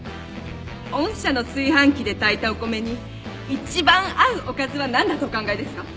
御社の炊飯器で炊いたお米に一番合うおかずは何だとお考えですか？